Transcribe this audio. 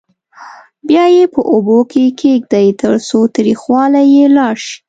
بیا یې په اوبو کې کېږدئ ترڅو تریخوالی یې لاړ شي.